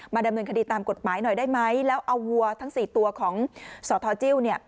ดำเนินคดีตามกฎหมายหน่อยได้ไหมแล้วเอาวัวทั้งสี่ตัวของสทจิ้วเนี่ย